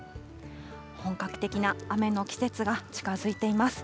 本格的な雨の季節が近づいています。